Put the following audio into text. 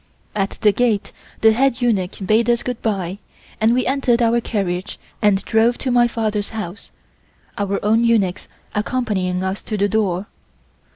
At the gate the head eunuch bade us good bye and we entered our carriage and drove to my father's house, our own eunuchs accompanying us to the door.